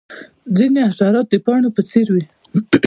ځینې حشرات د پاڼو په څیر وي